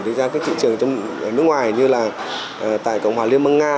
đi ra các thị trường trong nước ngoài như là tại cộng hòa liên bang nga